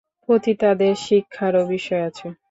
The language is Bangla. পতিতাদের শিক্ষারও বিষয় আছে।